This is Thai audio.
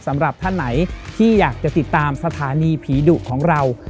สำหรับท่านไหนที่อยากจะติดตามสถานีผีดุของเรา